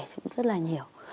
thì cũng rất là nhiều